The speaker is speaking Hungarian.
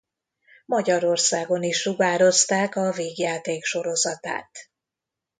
Magyarországon is sugározták a vígjátéksorozatát.